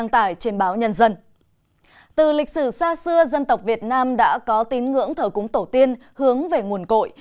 trong lịch sử xa xưa dân tộc việt nam đã có tín ngưỡng thờ cúng tổ tiên hướng về nguồn cội